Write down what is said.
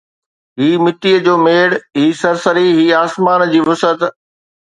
هي مٽيءَ جو ميڙ، هي سرسري، هي آسمان جي وسعت